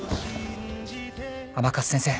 「甘春先生